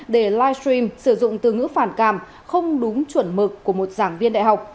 để live stream sử dụng từ ngữ phản cảm không đúng chuẩn mực của một giảng viên đại học